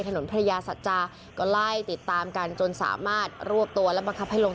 ถนนพรรยาชาจะก็ไล่ติดตามกันจนสามารถร่วบตัวแล้วมันขับให้ลง